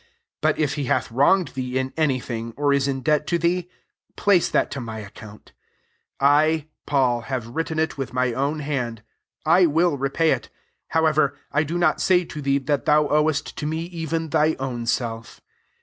18 But if he hath wronged thee in any thing, or is in debt to thee, place that to my account : 19 I Paul have written it with my own hand, I will repay it : however, I do not say to thee that thou owest to me even thy own self.